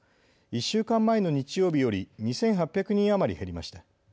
１週間前の日曜日より２８００人余り減りました。